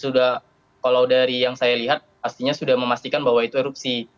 sudah kalau dari yang saya lihat pastinya sudah memastikan bahwa itu erupsi